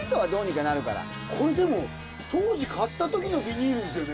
でもね、これでも、当時、買ったときのビニールですよね？